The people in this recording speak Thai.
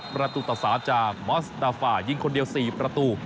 ประตูต่อ๓จากมอสดาฟ่ายิงคนเดียว๔ประตู